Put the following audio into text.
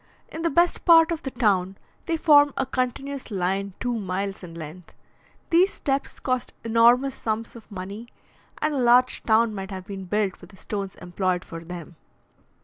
In the best part of the town, they form a continuous line two miles in length. These steps cost enormous sums of money, and a large town might have been built with the stones employed for them.